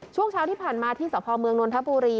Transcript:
ช่วงเช้าที่ผ่านมาที่สพเมืองนนทบุรี